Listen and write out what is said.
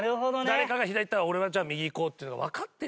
誰かが左行ったら俺はじゃあ右行こうっていうのがわかってるよね。